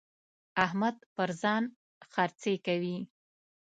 احمد پر ځان خرڅې کوي.